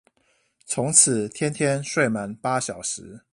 從此天天睡滿八小時